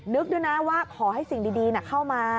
นึกด้วยนะว่าขอให้สิ่งดีเข้ามา